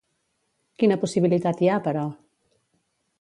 Quina possibilitat hi ha, però?